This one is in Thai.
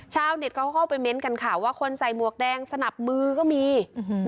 ชาวเน็ตก็เข้าไปเม้นต์กันค่ะว่าคนใส่หมวกแดงสนับมือก็มีอืม